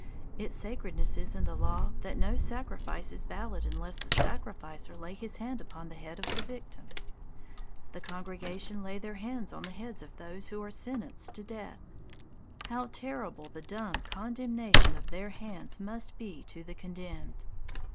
Its sacredness is in the law that no sacrifice is valid unless the sacrificer lay his hand upon the head of the victim. The congregation lay their hands on the heads of those who are sentenced to death. How terrible the dumb condemnation of their hands must be to the condemned!